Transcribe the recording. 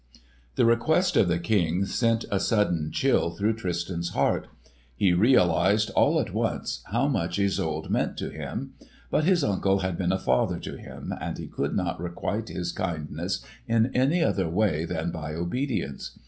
The request of the King sent a sudden chill through Tristan's heart. He realised all at once how much Isolde meant to him. But his uncle had been a father to him, and he could not requite his kindness in any other way than by obedience.